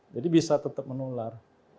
jadi bisa tetap menular